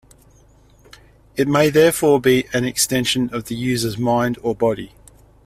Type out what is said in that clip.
It may therefore be an extension of the user's mind or body.